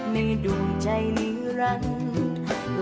ในดุมใจนิรันดิ์